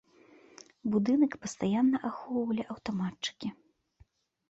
Будынак пастаянна ахоўвалі аўтаматчыкі.